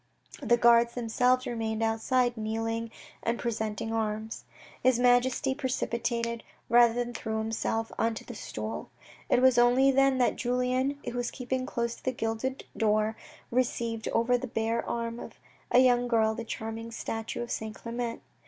The guards themselves remained outside kneeling and presenting arms. His Majesty precipitated, rather than threw himself, on to the stool. It was only then that Julien, who was keeping close to the gilded door, perceived over the bare arm of a young girl, the charming statue of St. Clement.